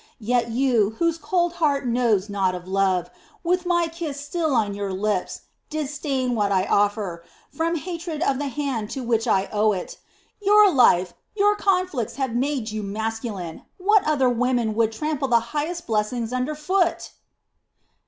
Yet you, whose cold heart knows naught of love, with my kiss still on your lips, disdain what I offer, from hatred of the hand to which I owe it. Your life, your conflicts have made you masculine. What other women would trample the highest blessings under foot?"